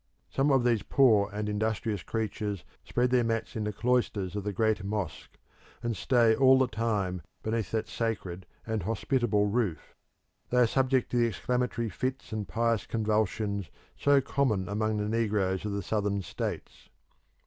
Some of these poor and industrious creatures spread their mats in the cloisters of the great Mosque, and stay all the time beneath that sacred and hospitable roof. They are subject to the exclamatory fits and pious convulsions so common among the negroes of the Southern States.